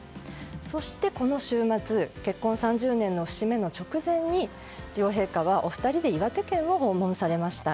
そして、この週末結婚３０年の節目の直前に両陛下はお二人で岩手県に訪問されました。